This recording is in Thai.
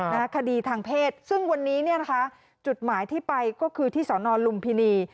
คดีทางเพศซึ่งวันนี้เนี่ยนะคะจุดหมายที่ไปก็คือที่สอนอนลุมพินี